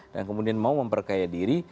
dan kemudian mau memperkaya diri